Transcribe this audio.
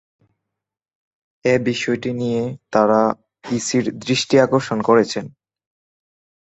এ বিষয়টি নিয়ে তাঁরা ইসির দৃষ্টি আকর্ষণ করেছেন।